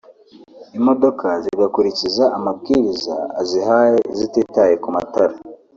imodoka zigakurikiza amabwiriza azihaye zititaye ku matara